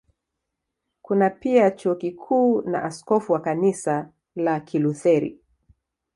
Kuna pia Chuo Kikuu na askofu wa Kanisa la Kilutheri.